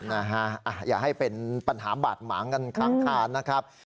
นะฮะอย่าให้เป็นปัญหาบาดหมางกันค้างทานนะครับ